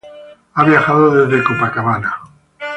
He viajado desde Copacabana.